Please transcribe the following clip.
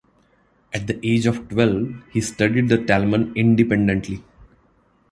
At the age of twelve, he studied the Talmud independently.